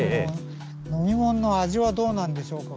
飲み物の味はどうなんでしょうか。